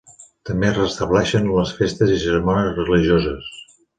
També es restableixen les festes i cerimònies religioses.